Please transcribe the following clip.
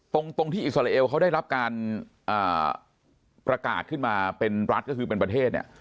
ตรงที่อิสราเอลเขาได้รับการประกาศขึ้นมาเป็นรัฐก็คือเป็นประเทศเนี่ย